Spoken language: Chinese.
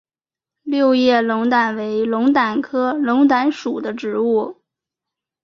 六叶龙胆为龙胆科龙胆属的植物。